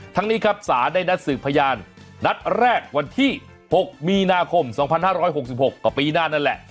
ทั้งนี้ครับศาลได้นัดสืบพยานนัดแรกวันที่๖มีนาคม๒๕๖๖ก็ปีหน้านั่นแหละ